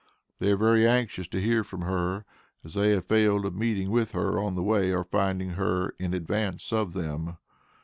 They are very anxious to hear from her, as they have failed of meeting with her on the way or finding her here in advance of them.